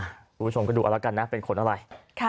คุณผู้ชมก็ดูเอาละกันนะเป็นขนอะไร